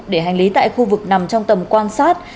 để hành lý tại khu vực nằm trong tầm quan sát